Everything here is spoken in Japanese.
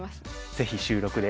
ぜひ収録で。